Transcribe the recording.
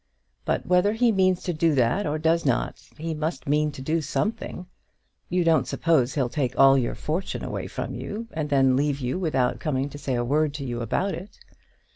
But whether he means to do that or does not, he must mean to do something. You don't suppose he'll take all your fortune away from you, and then leave you without coming to say a word to you about it?